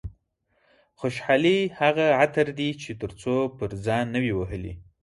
خوشحالي هغه عطر دي چې تر څو پر ځان نه وي وهلي.